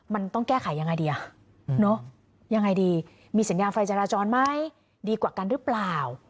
มันต้องแก้ไขยังไงดีมีสัญญาณไฟจราจรไหมดีกว่ากันหรือเปล่า